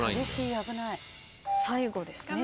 最後ですね。